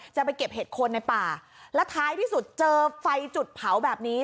จะไปเก็บเห็ดคนในป่าแล้วท้ายที่สุดเจอไฟจุดเผาแบบนี้